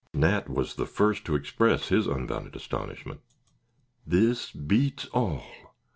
Nat was the first to express his unbounded astonishment. "This beats all.